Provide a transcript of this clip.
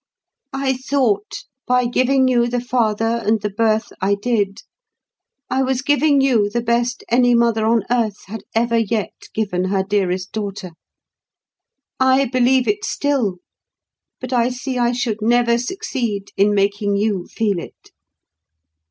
I thought, by giving you the father and the birth I did, I was giving you the best any mother on earth had ever yet given her dearest daughter. I believe it still; but I see I should never succeed in making you feel it.